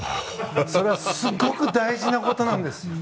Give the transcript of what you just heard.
それはすごく大事なことなんです。